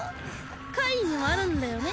怪異にもあるんだよね